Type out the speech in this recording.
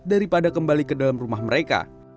daripada kembali ke dalam rumah mereka